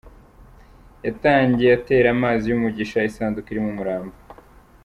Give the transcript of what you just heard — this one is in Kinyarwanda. Yatangiye atera amazi y’umugisha isanduku irimo umurambo.